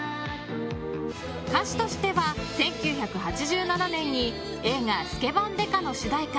歌手としては、１９８７年に映画「スケバン刑事」の主題歌